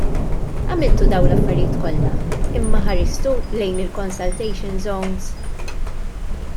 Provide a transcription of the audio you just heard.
Għamiltu dawn l-affarijiet kollha, imma ħaristu lejn il-consultation zones?